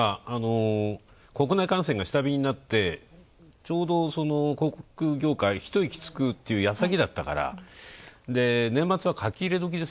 国内感染が下火になって、ちょうど航空業界、一息つく矢先だったから、年末は書き入れ時。